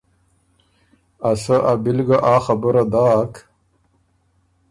ا سۀ ا بی ل ګه آ خبُره داک۔